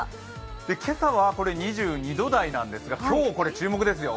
今朝は２２度台なんですが、今日、注目ですよ。